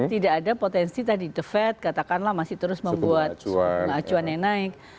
tidak ada potensi tadi the fed katakanlah masih terus membuat acuan yang naik